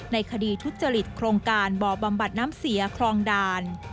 ในคดีทุจริตโครงการบ่อบำบัดน้ำเสียคลองด่าน